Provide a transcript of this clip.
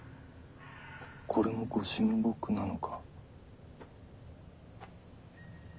これも「御神木」なのか。